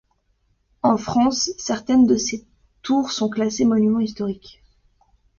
En France, certaines de ces tours sont classées monuments historiques.